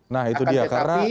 nah itu dia karena